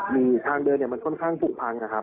มีทางเดินมันค่อนข้างผูกพังนะครับ